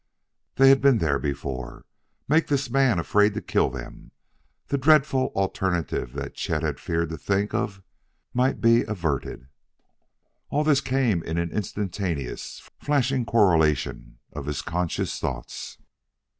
They had been there before: make this man afraid to kill them. The dreadful alternative that Chet had feared to think of might be averted.... All this came in an instantaneous, flashing correlation of his conscious thoughts.